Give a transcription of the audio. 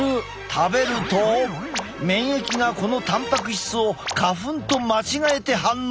食べると免疫がこのたんぱく質を花粉と間違えて反応！